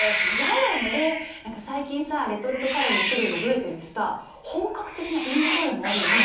何か最近さレトルトカレーの種類も増えてるしさ本格的なインドカレーもあるよね。